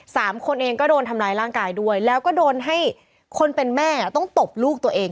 สามคนเองก็โดนทำร้ายร่างกายด้วยแล้วก็โดนให้คนเป็นแม่ต้องตบลูกตัวเอง